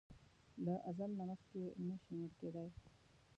له اځل نه مخکې نه شې مړ کیدای!